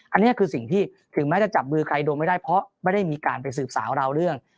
อันนี้คือสิ่งที่ถึงแม้จะจับมือใครโดนไม่ได้เพราะไม่ได้มีการไปสืบสาวราวเรื่อง